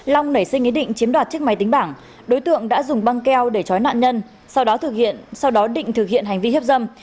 long nảy sinh ý định chiếm đoạt chiếc máy tính bảng đối tượng đã dùng băng keo để chói nạn nhân sau đó định thực hiện hành vi hiếp dâm